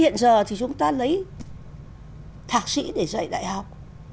hiện giờ thì chúng ta lấy thạc sĩ để dạy đại học